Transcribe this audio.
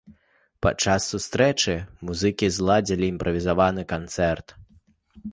Падчас сустрэчы музыкі зладзілі імправізаваны канцэрт.